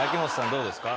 どうですか？